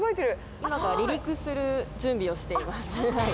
今、離陸をする準備をしています。